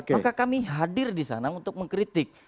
maka kami hadir di sana untuk mengkritik